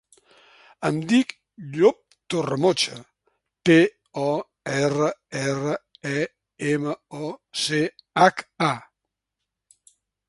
Em dic Llop Torremocha: te, o, erra, erra, e, ema, o, ce, hac, a.